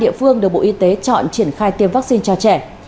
hai địa phương được bộ y tế chọn triển khai tiêm vắc xin cho trẻ